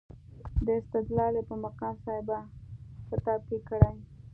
دا استدلال یې په مقام صحابه کتاب کې کړی.